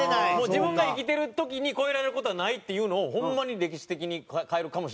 自分が生きてる時に超えられる事はないっていうのをホンマに歴史的に変えるかも。